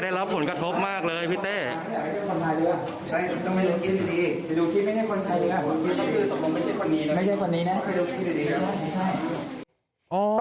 เราพูดกับพี่แกนิตรีดีนี่มัย